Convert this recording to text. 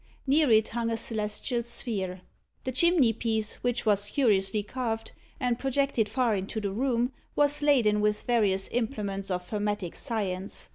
Near it hung a celestial sphere. The chimney piece, which was curiously carved, and projected far into the room, was laden with various implements of hermetic science.